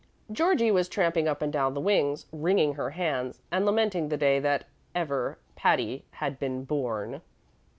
Georgie was tramping up and down the wings, wringing her hands and lamenting the day that ever Patty had been born.